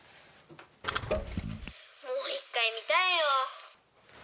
もう一回見たいよ。